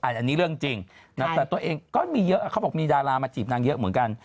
อันนี้เรื่องจริงแต่ตัวเองก็มีเยอะเขาบอกมีดารามาจีบนางเยอะเหมือนกัน